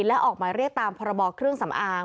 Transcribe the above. และออกหมายเรียกตามพรบเครื่องสำอาง